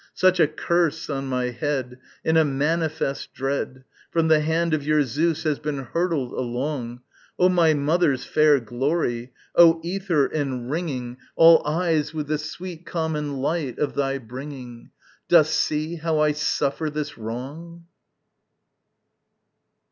Such a curse on my head, in a manifest dread, From the hand of your Zeus has been hurtled along. O my mother's fair glory! O Æther, enringing All eyes with the sweet common light of thy bringing! Dost see how I suffer this wrong?